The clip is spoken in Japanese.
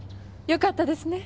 よかったですね。